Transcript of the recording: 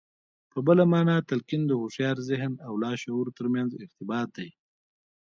په بله مانا تلقين د هوښيار ذهن او لاشعور ترمنځ ارتباط دی.